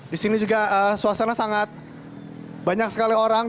di sini juga suasana sangat banyak sekali orang